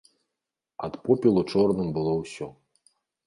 Ад попелу чорным было ўсё.